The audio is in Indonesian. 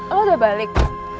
lo udah balik